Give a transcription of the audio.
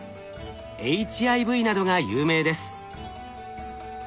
ＨＩＶなどが有名です。